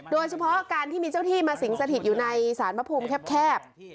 โดยเฉพาะการที่มีเจ้าที่มาสิงสถิตอยู่ในสารพระภูมิแคบ